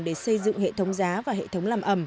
để xây dựng hệ thống giá và hệ thống làm ẩm